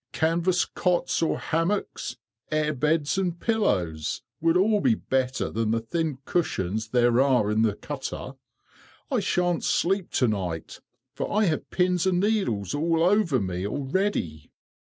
Canvas cots or hammocks, air beds and pillows, would all be better than the thin cushions there are in the cutter. I sha'n't sleep to night, for I have pins and needles all over me already."